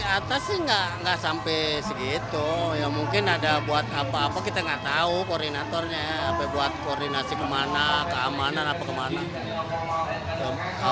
apa yang kita lakukan untuk membuat koordinasi kemana keamanan apa kemana